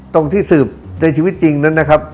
ตรงที่สืบในชีวิตจริงนั้นนะครับ